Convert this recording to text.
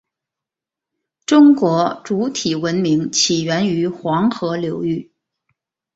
中国主体文明起源于黄河流域。